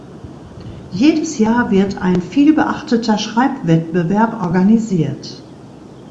Jedes Jahr wird ein vielbeachteter Schreibwettbewerb organisiert.